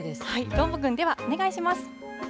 どーもくん、ではお願いします。